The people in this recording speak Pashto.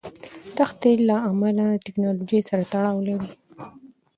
دښتې له تکنالوژۍ سره تړاو لري.